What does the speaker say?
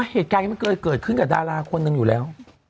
เหตุการณ์นี้มันเคยเกิดขึ้นกับดาราคนหนึ่งอยู่แล้ว